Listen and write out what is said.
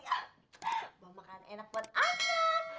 mau makan enak buat anak